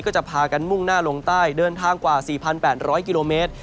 ก็จะพากันมุ่งหน้าลงใต้เดินทางกว่าสี่พันแปดร้อยกิโลเมตร